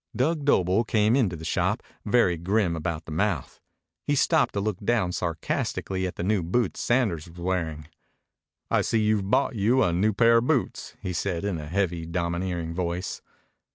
Dug Doble came into the shop, very grim about the mouth. He stopped to look down sarcastically at the new boots Sanders was wearing. "I see you've bought you a new pair of boots," he said in a heavy, domineering voice.